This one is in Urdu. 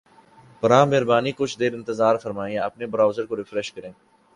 براہ مہربانی کچھ دیر انتظار فرمائیں یا اپنے براؤزر کو ریفریش کریں